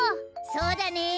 そうだねえ！